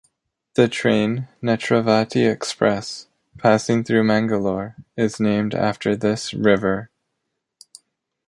The train Netravati Express, passing through Mangalore, is named after this river.